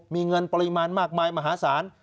มีเงินปริมาณมากมายมหาศาล